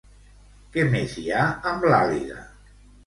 Què més hi ha amb l'Àliga?